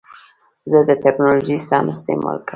زه د ټکنالوژۍ سم استعمال کوم.